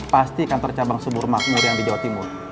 pasti kantor cabang subur makmur yang di jawa timur